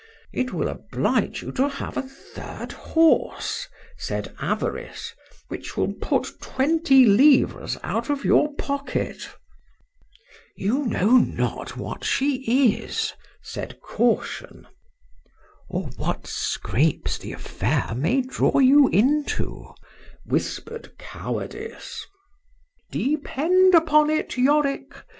—It will oblige you to have a third horse, said Avarice, which will put twenty livres out of your pocket;—You know not what she is, said Caution;—or what scrapes the affair may draw you into, whisper'd Cowardice.— Depend upon it, Yorick!